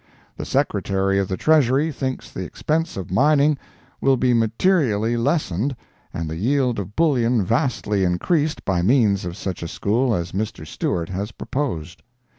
The Secretary of the Treasury thinks the expense of mining will be materially lessened and the yield of bullion vastly increased by means of such a school as Mr. Stewart has proposed.